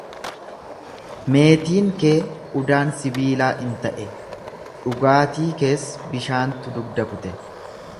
Meetiin kee udaan sibiilaa in ta'e, dhugaatii kees bishaantu dugda kute.